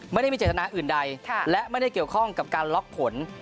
ไม่ได้มีเจตนาอื่นใดและไม่ได้เกี่ยวข้องกับการล็อกผล